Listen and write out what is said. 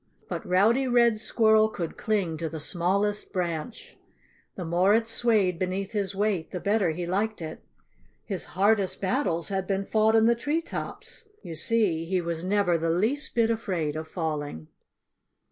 But Rowdy Red Squirrel could cling to the smallest branch. The more it swayed beneath his weight the better he liked it. His hardest battles had been fought in the tree tops. You see, he was never the least bit afraid of falling.